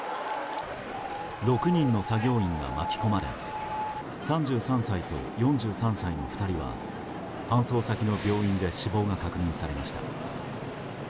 ６人の作業員が巻き込まれ３３歳と４３歳の２人は搬送先の病院で死亡が確認されました。